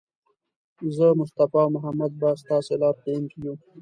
زه، مصطفی او محمد به ستاسې لارښوونکي یو.